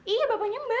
iya bapaknya mbak